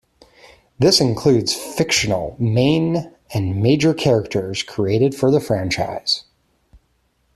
This includes fictional main and major characters created for the franchise.